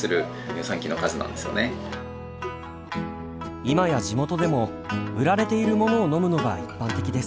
今や地元でも売られているものを飲むのが一般的です。